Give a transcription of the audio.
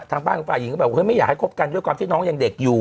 ทางบ้านของฝ่ายหญิงก็แบบเฮ้ยไม่อยากให้คบกันด้วยความที่น้องยังเด็กอยู่